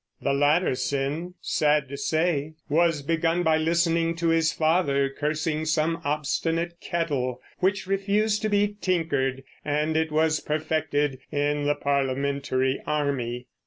The latter sin, sad to say, was begun by listening to his father cursing some obstinate kettle which refused to be tinkered, and it was perfected in the Parliamentary army.